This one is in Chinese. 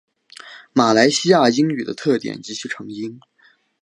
马来西亚英语的特点及其成因